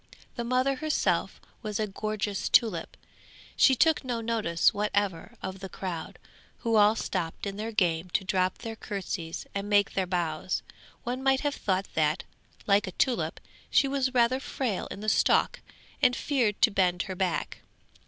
The mother herself was a gorgeous tulip; she took no notice whatever of the crowd, who all stopped in their game to drop their curtsies and make their bows; one might have thought that, like a tulip, she was rather frail in the stalk and feared to bend her back.